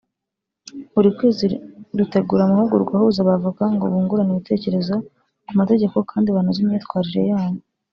buri kwezi rutegura amahugurwa ahuza abavoka ngo bungurane ibitekerezo ku mategeko kandi banoze imyitwarire yabo